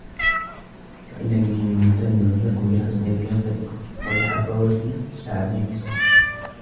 وإنني ممتن لكم لحسن ضيافتكم ولحفاوة شعب مصر.